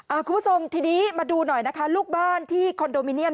คุณผู้ชมทีนี้มาดูหน่อยนะคะลูกบ้านที่คอนโดมิเนียม